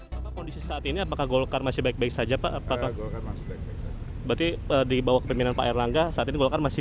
saya sudah calon saya tidak terus saya tidak berusaha mencalon